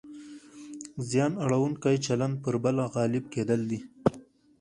زیان اړونکی چلند پر بل غالب کېدل دي.